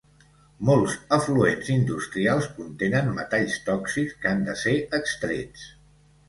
Molts efluents industrials contenen metalls tòxics que han de ser extrets.